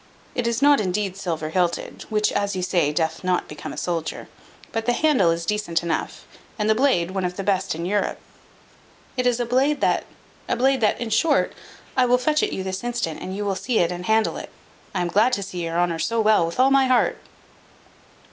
It is not indeed silver hilted, which, as you say, doth not become a soldier; but the handle is decent enough, and the blade one of the best in Europe. It is a blade that a blade that in short, I will fetch it you this instant, and you shall see it and handle it. I am glad to see your honour so well with all my heart."